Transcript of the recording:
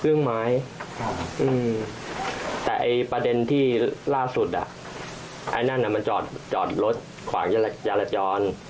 เครื่องไม้แต่ประเด็นที่ล่าสุดไอ้นั่นน่ะมันจอดรถขวางยาลับย้อน